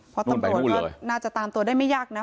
เพราะตำรวจก็น่าจะตามตัวได้ไม่ยากนะ